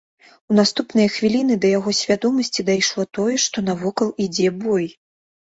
У наступныя хвіліны да яго свядомасці дайшло тое, што навокал ідзе бой.